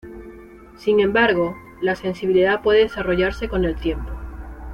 Sin embargo, la sensibilidad puede desarrollarse con el tiempo.